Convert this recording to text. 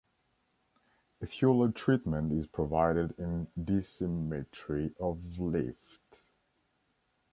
A fuller treatment is provided in dissymmetry of lift.